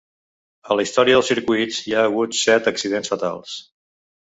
A la història dels circuits, hi ha hagut set accidents fatals.